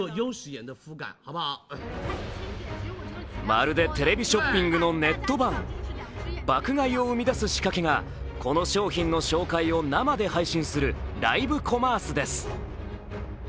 まるでテレビショッピングのネット版。爆買いを生み出す仕掛けがこの商品の紹介を生で配信するライブコマースです。